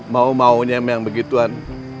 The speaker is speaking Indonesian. mau maunya memang begituan